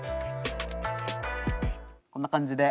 こんな感じで。